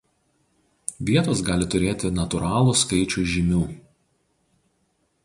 Vietos gali turėti natūralų skaičių žymių.